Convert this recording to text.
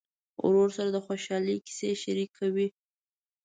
ورور سره د خوشحالۍ کیسې شريکې وي.